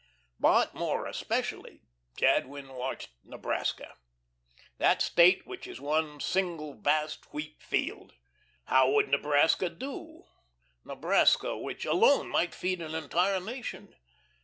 But more especially Jadwin watched Nebraska, that State which is one single vast wheat field. How would Nebraska do, Nebraska which alone might feed an entire nation?